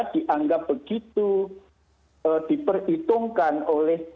dianggap begitu diperhitungkan oleh